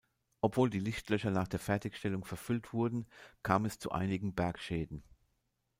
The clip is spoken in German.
Obwohl die Lichtlöcher nach der Fertigstellung verfüllt wurden, kam es zu einigen Bergschäden.